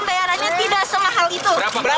dan bayarannya tidak semahal itu